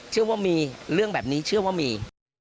เชื่อว่ามีเรื่องแบบนี้เชื่อว่ามี